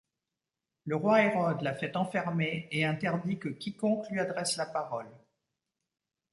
Le roi Hérode l'a fait enfermer et interdit que quiconque lui adresse la parole.